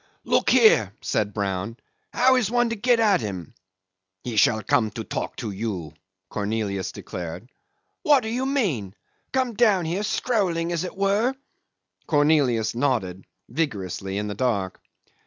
"Look here," said Brown, "how is one to get at him?" "He shall come to talk to you," Cornelius declared. "What do you mean? Come down here strolling as it were?" Cornelius nodded vigorously in the dark.